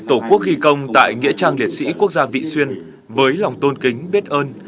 tổ quốc ghi công tại nghĩa trang liệt sĩ quốc gia vị xuyên với lòng tôn kính biết ơn